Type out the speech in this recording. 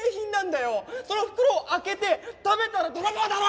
その袋を開けて食べたら泥棒だろ！